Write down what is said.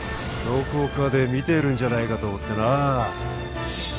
どこかで見てるんじゃないかと思ってなあ